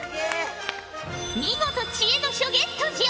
見事知恵の書ゲットじゃ。